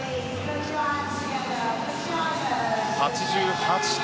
８８点。